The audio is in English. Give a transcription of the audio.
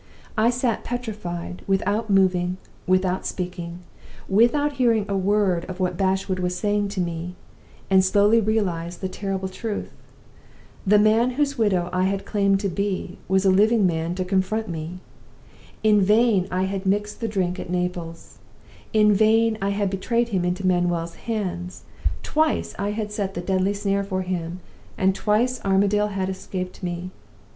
I sat petrified, without moving, without speaking, without hearing a word of what Bashwood was saying to me, and slowly realized the terrible truth. The man whose widow I had claimed to be was a living man to confront me! In vain I had mixed the drink at Naples in vain I had betrayed him into Manuel's hands. Twice I had set the deadly snare for him, and twice Armadale had escaped me!